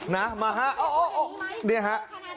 นะมาฮะโอ้โหนี่ฮะ